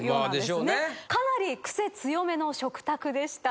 かなり癖強めの食卓でした。